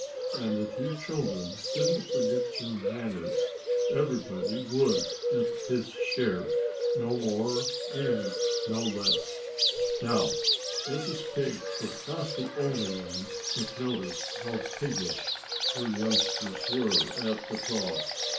And if you children didn't forget your manners everybody would get his share no more and no less." Now, Mrs. Pig was not the only one that noticed how piggish her youngsters were at the trough.